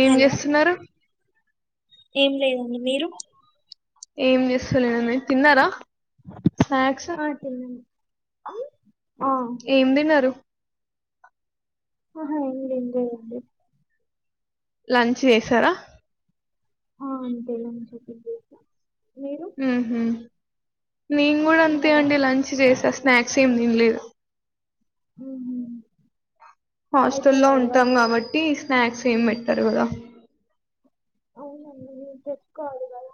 ఏం హలో చేస్తున్నారు ఏం లేదండి మీరు ఏం చేస్తలేనండి తిన్నారా స్నాక్సు ఆ తిన్నాను ఉమ్, ఆ ఏం తిన్నారు ఆహా ఇంగేమ్ లేదండి లంచ్ చేసారా ఆ నేన్ తెలవంది చూపినక నీ ఉ హు నేను కూడా అంతే తిన్నారా అండి లంచ్ చేసా స్నాక్స్ ఏమి తిన్లేదు. ఉహు హాస్టల్లో అయిపోయా ఉంటాం వర్క్ కాబట్టి స్నాక్స్ ఏం పెట్టరు కదా. అవునండి మీరు తెచ్చుకోవాలి కదా.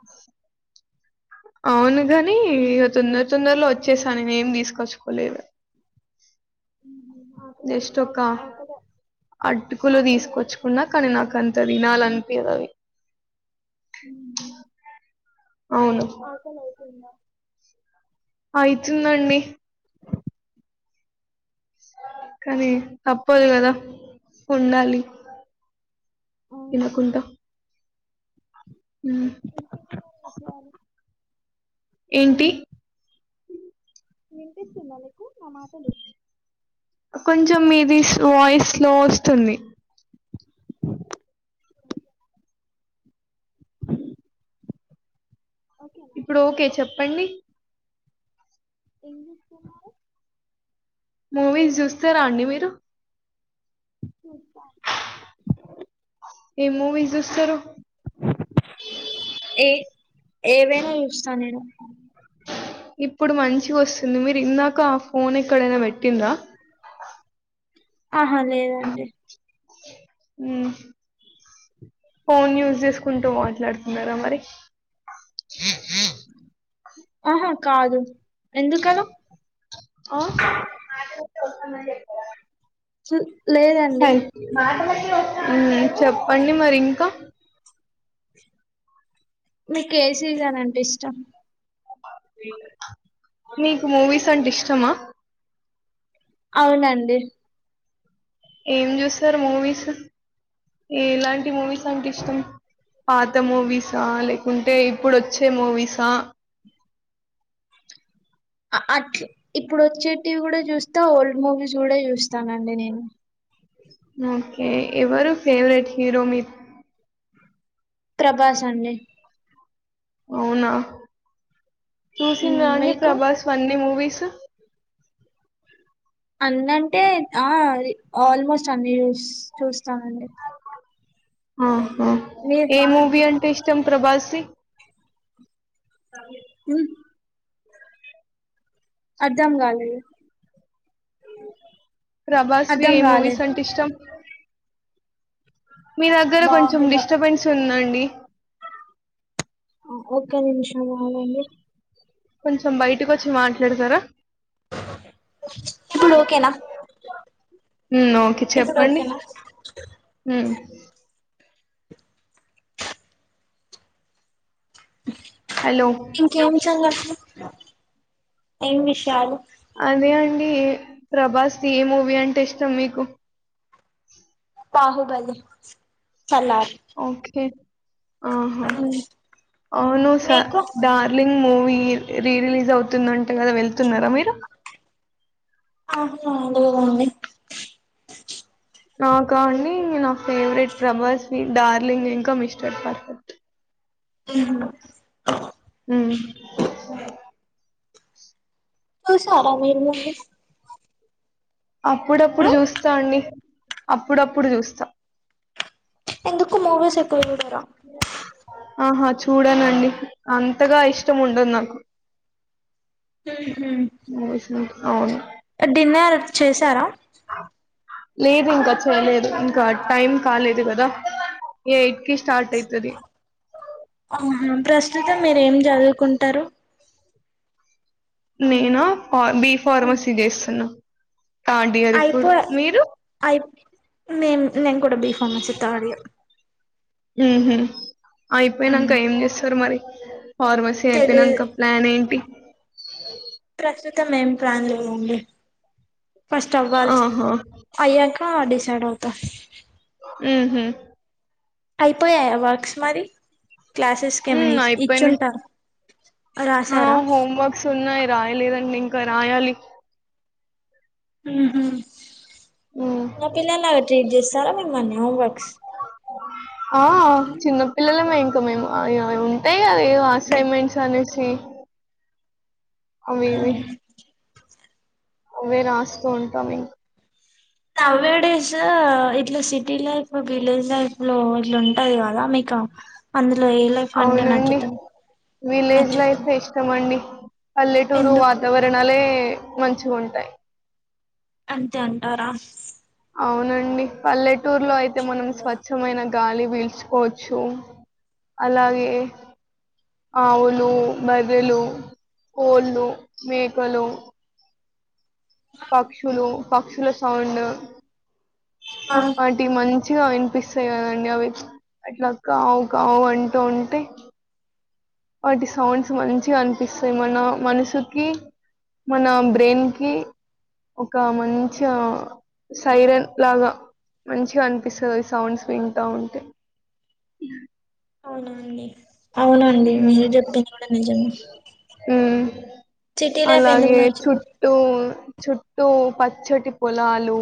అవును గానీ ఇగ తొందర తొందరలో వచ్చేసాను నేను ఏం తీసుకొచ్చుకోలేదు. ఉహు ఆకలి అవు జస్ట్ ఒక ఆక- ఆకలి అటుకులు ఆకలి తీసుకొచ్చుకున్నా అవుతున్నట్టుంది కానీ నాకు అంత తినాలని ఇంగ అవి ఉహు. అవును ఆకలి అవుతుంద. అయితుందండి. కానీ తప్పదు ఏం కదా ఉండాలి. అవునండి తినకుంట. ఉమ్ ఇంకేం చేయాలి? ఏంటి? వినిపిస్తుందా నీకు నా మాటలు. కొంచెం మీది సో వాయిస్ స్లో వస్తుంది. ఓకేనా ఇప్పుడు ఓకే చెప్పండి. ఏం చేత్తన్నారు. మూవీస్ చూస్తారా అండి మీరు. ఉ ఏ మూవీస్ జుస్తరు. ఏ ఏవైనా చూస్తా నేను. ఇప్పుడు మంచిగా వస్తుంది మీరు ఇందాక ఆ ఫోన్ ఎక్కడైనా పెట్టిండ్ర. ఆహా లేదండి. ఫోన్ యూస్ చేసుకుంటూ మాట్లాడుతున్నారా మరి. ఉ ఆహా కాదు ఎందుకలా. ఆ ల్ అ లేదండి. చెప్పండి మరి ఇంకా. మీకు ఏ సీజన్ అంటే ఇష్టం. నీకు మూవీస్ అంటే ఇష్టమా. అవునండి. ఏం చూస్తారు మూవీస్ ఎలాంటి మూవీస్ అంటే ఇష్టం. పాత మూవీసా లేకుంటే ఇప్పుడు వచ్చే మూవీసా. అట్ ఇప్పుడు వచ్చేటివి కూడా చూస్తా ఓల్డ్ మూవీస్ కూడా చూస్తానండి నేను. ఓకే ఎవరు ఫేవరెట్ హీరో మీకు. ప్రభాస్ అండి. అవునా చూసింన్ర హ్మ్. అండి మీకు? ప్రభాస్ అన్నీ మూవీస్. అన్నంటే ఆ అది ఆల్మోస్ట్ అన్ని చూస్ చూస్తానండి ఆహ ఏ మీరు? మూవీ అంటే ఇష్టం ప్రభాస్ధి. ఉ అర్ధం కాలేదు. ప్రభాస్ వి ఏ మూవీస్ అంటే ఇష్టం. మీ దగ్గర కొంచెం బాహుబ డిస్టర్బెన్స్ ఉందండి. ఒక్క నిమిషం ఆగండి. కొంచెం బయటకు వచ్చి మాట్లాడతారా. ఇప్పుడు ఓకేనా. ఉమ్ ఓకే ఇప్పుడు చెప్పండి. ఓకేనా? హలో! ఇంకే విషయాలు చెప్పలే ఏం విషయాలు అదే అండి ప్రభాస్ ది ఏ మూవీ అంటే ఇష్టం మీకు. బాహుబలి సలార్ ఓకే ఆహా అవును స మీకు darling movie re release అవుతుందంట కదా వెళ్తున్నారా మీరు ఆహా లేదండి నాకా అండి నా ఫేవరెట్ ప్రభాస్ వి డార్లింగ్ ఇంకా మిస్టర్ పర్ఫెక్ట్ ఆహా ఉమ్ చూసారా మీరు మూవీ అప్పుడప్పుడు చూస్తా అండి అప్పుడప్పుడు చూస్తా ఎందుకు మూవీస్ ఎక్కువ చూడరా ఆహా చూడనండి అంతగా ఇష్టం ఉండదు నాకు మ్మ్ మూవీస్ అంటే అవును హు డిన్నర్ చేశారా లేదు ఇంకా చేయలేదు ఇంకా టైమ్ కాలేదు గదా ఎయిట్ కి స్టార్ట్ అయితది ఆహా ప్రస్తుతం మీరు ఏం జదువుకుంటారు నేనా ఆ బి ఫార్మసీ జేస్తున్నా అయిపో ఐపో నేను నేను కూడా బి ఫార్మసీ థర్డ్ ఇయర్ మ్మ్ హు అయిపోయినంక ఏం చేస్సరు మరి ఫార్మసీ తెలి అయిపోయినాంక ప్లాన్ ఏంటి ప్రస్తుతం ఏం ప్లాన్ లేవండి ఫస్ట్ అవ్వాల్సి ఆహా అయ్యాక ఆ డిసైడవుత ఊహూ అయిపోయాయా వర్క్స్ మరి క్లాసెస్కి ఏమైనా హ్మ్ అయిపోయినాయి ఇచ్చుంటార ఆ హోమ్వర్క్స్ ఉన్నాయి రాయలేదండి ఇంకా రాయాలి ఊహు హ్మ్ చిన్న పిల్లలాగా ట్రీట్ చేస్తారా మిమ్మల్ని హోంవర్క్ ఆ చిన్న పిల్లల మే ఇంక మేము అవి ఉంటాయి టాయి అవేవో అసైన్మెంట్స్ అనేసి అవి ఇవి అవే రాస్తూ ఉంటాం ఇంక నౌ యే డేస్ ఇట్లా సిటీ లైఫ్ లో విలేజ్ లైఫ్ లో ఇట్ల ఉంటాయిగా మీకా అందులో ఏలైఫ్ అంటే అవునండి నచ్చుతుంది విలేజ్ లైఫ్ నచ్చుతుంది ఇష్టం అండి పల్లెటూరు ఎందుకు వాతావరణాలే మంచిగ ఉంటాయి అంతే అంటారా అవునండి పల్లెటూరులో అయితే పొల్యూషన్ మనం ఉండదా స్వచ్ఛమైన గాలి పీల్చుకోవచ్చు అలాగే ఆవులు బర్రేలు కోళ్ళు మేకలు పక్షులు పక్షుల సౌండ్ ఆ వాటి మంచి మంచిగా వినిపిస్తాయి కదండి అవి అట్లా కావు కావు అంటూ ఉంటే వాటి సౌండ్స్ మంచిగ అనిపిస్తాయి మన మనసుకి మన బ్రెయిన్ కి ఒక మంచి సైరన్ లాగా మంచిగా అనిపిస్తది సౌండ్స్ వింటా ఉంటే అవునండి ఉమ్ మీరు చెప్పేది కూడా నిజమే ఉమ్ సిటీ లైఫ్ ఎందుకు అలాగే నచ్చదు చుట్టూ, చుట్టూ ప చ్చటి పొలాలు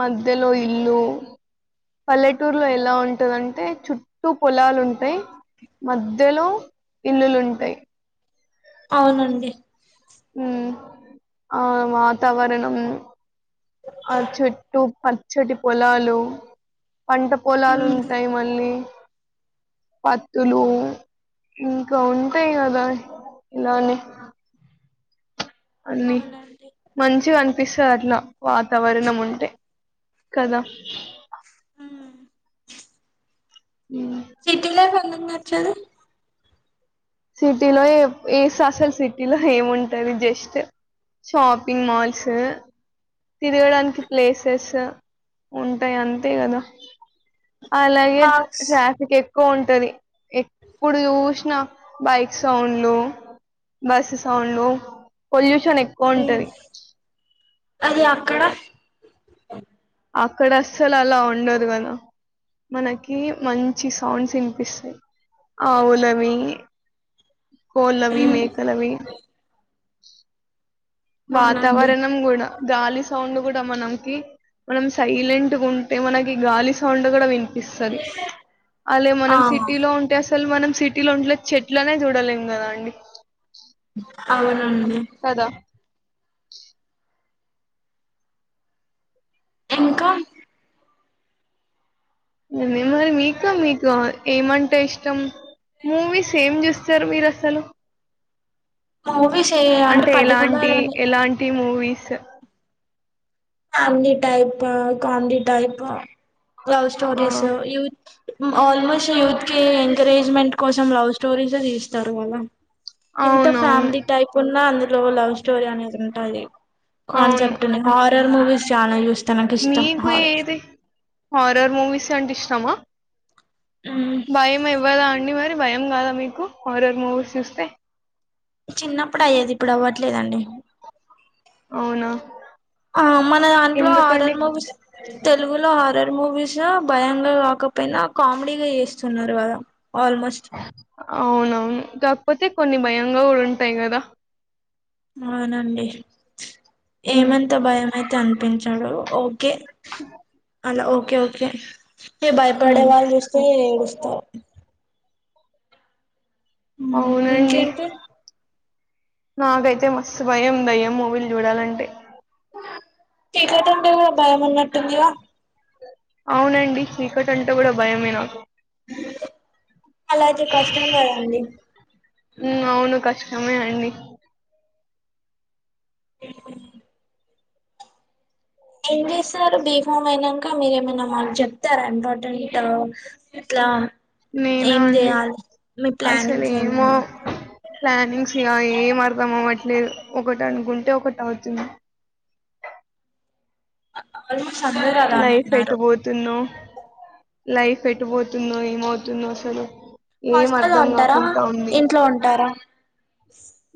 మధ్యలో ఇల్లు పల్లెటూరులో ఎలా ఉంటందంటే చుట్టూ పొలాలు ఉంటయి మధ్యలో ఇల్లులుంటాయి అవునండి ఉమ్ ఆ వాతావరణం ఆ చెట్టు పచ్చటి పొలాలు పంట పొలాలు ఉమ్ ఉంటాయి మళ్ళీ పత్తులు ఇంకా ఉంటాయి కదా ఇలానే అన్నీ అవునండి మంచి అంట విస్తరణ వాతావరణం ఉంటే కదా ఉమ్ హు సిటీ లైఫ్ ఎందుకు నచ్చదు సిటీలో ఎఫ్ ఏస్ అసలు సిటీలో ఏముంటది జస్ట్ షాపింగ్ మాల్స్ తిరగడానికి ప్లేసెస్ ఉంటాయి అంతే కదా అలాగే పార్క్స్ ట్రాఫిక్ ఎక్కువ ఉంటది ఎప్పుడు చూసినా బైక్ సౌండ్లు బస్ సౌండ్లు పొల్యూష షన్ ఎక్కువ ఉంటది అది అక్కడ అక్కడ అస్సలు అలా ఉండదు కదా మనకి మంచి సౌండ్స్ వినిపిస్తాయి ఆవులవి కొల్లవి మేకలవి అవునండి వాతావరణం గూడ గాలి సౌండ్ కూడా మనంకి మనం సైలెంట్గా ఉంటే మనకి గాలి సౌండ్ కూడా విని పిస్తుంది అలే ఆ మనం సిటీలో ఉంటే అసలు మనం సిటీలో ఉంట్లే చెట్లనే చూడలేం కదా అండి అవునండి కదా ఇంకా నే మరి మీకు మీకు ఏమంటే ఇష్టం మూవీస్ ఏం చూస్తా సార్ మీరసలు మూవీస్ ఏ అంటే పర్టికులర్ ఎలాంటి అని ఎలాంటి movies family type comedy type love ఆ స్టోరీస్ ఆల్మోస్ట యూత్ కి ఎంకరేజ్మెంట్ కోసం లవ్ స్టోరీస్ తీస్తారు కాదా ఇంత అవునవును ఫ్యామిలీ టైప్ ఉన్న అందులో లవ్ స్టోరీ అనేది ఉంటది అవును కన్సెప్ట్ హారర్ మూవీస్ చాల చూస్తా నాకు ఇష్టం మీకు హారర్ ఏది హారర్ మూవీస్ అంటే ఇష్టామా భయం ఇవ్వదా అండి మరి భయం కాదా మీకు హరర్ మూవీ చూస్తే చిన్నప్పుడు అయ్యేది ఇప్పుడు అవ్వట్లేదండి అవునా ఆ మన దాంట్లో ఎందుకండి హారర్ మూవీస్ తెలుగులో హారర్ మూవీస్ భయంగా కాకపోయినా కామెడీగా చేస్తున్నారు కదా ఆల్మోస్ట్ అవునువును కాకపోతే కొన్ని భయంగా కూడా ఉంటాయి కదా అవునండి ఉమ్ ఏమంతా భయం అయితే అనిపించాడు ఓకే అలా ఓ ఓకే ఓకే ఈగ భయపడే హ్మ్ వాళ్ళు చూస్తే ఏడుస్తారు అవునండి ఇంకేంటి నాకైతే మస్తు భయం దయ్యం మూవీలు చూడాలంటే చీకటుంటే గుడ భయమున్నట్టుందిగా అవునండీ చీకటంటే గుడ బయమే నాకు అలఐతే కష్టం గదాండి సమే అండీ ఏం జేసారు బిహోమ్ అయినాంక మీరేమైన మాక్జెప్తర ఇంపార్టెంట్ ఇట్లా నేనా ఏం అండి జేయాలి మీ అసలు ప్లానింగ్స్ ఏమో ఏమన్నా ప్లానింగ్స్ ఇగ ఏం అర్ధం అవ్వట్లేదు ఒకటనుకుంటే ఒకటవుతుంది అ ఆల్మో లైఫ్ ఎటు పోతున్నో లైఫ్ ఎటు పోతున్నో ఏమౌతున్నో అసలు ఏం హాస్టల్లో అర్ధం ఉంటారా కాకుంటా ఉందీ ఇంట్లో ఉంటారా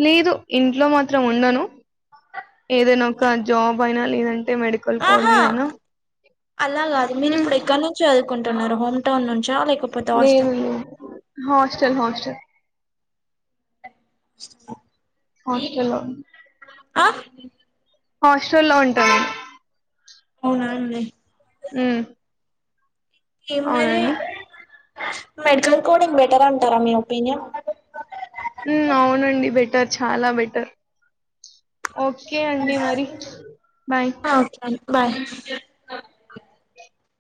లేదు ఇంట్లో మాత్రం ఉండను ఏదైనా ఒక జాబ్ అయినా లేదం టే మెడికల్ ఆహా కోడింగ్ అయినా అలా కాదు మీరు హ్మ్ ఇప్పుడు ఎక్కనుంచి చదువుకుంటున్నారు హోమ్ టౌన్ నుంచా లేక్ లేదు లేదు హాస్టల్ హాస్టల్ హాస్టల్ ఆ హాస్టల్లో ఆహ్ హాస్టల్లో ఉంటా నేను అవునా అండి హ్మ్ ఇంకేం మరీ మెడికల్ కోడింగ్ బెటర్ అంటారా మీ ఒపీనియన్ హ్మ్ అవునండి బెటర్ చాలా బెటర్ ఓకే అండి మరీ బాయ్ ఓకే అండి బాయ్